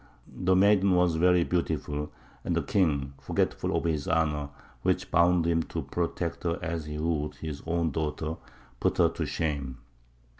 The maiden was very beautiful, and the king, forgetful of his honour, which bound him to protect her as he would his own daughter, put her to shame.